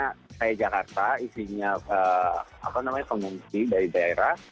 karena kayak jakarta isinya apa namanya pengungsi dari daerah